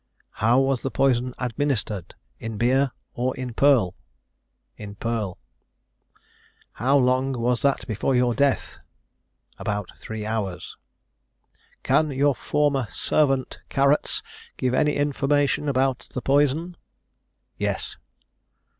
"How was the poison administered, in beer or in purl?" "In purl." "How long was that before your death?" "About three hours." "Can your former servant, Carrots, give any information about the poison?" "Yes."